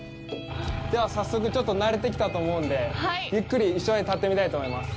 じゃあ、早速、ちょっと慣れてきたと思うので、ゆっくり一緒に立ってみたいと思います。